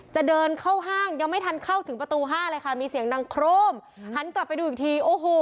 จะเดินเข้าห้างยังไม่ทันเข้าถึงประตูห้าเลยค่ะมีเสียงดังโครมหันกลับไปดูอีกทีโอ้โห